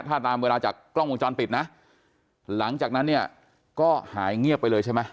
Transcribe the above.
ถ้าตามเวลาจากกล้องวงจรปิดนะหลังจากนั้นเนี่ยก็หายเงียบไปเลยใช่ไหม